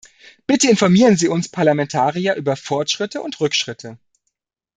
Bitte informieren Sie uns Parlamentarier über Fortschritte und Rückschritte.